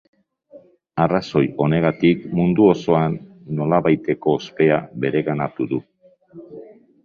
Arrazoi honegatik mundu osoan nolabaiteko ospea bereganatu du.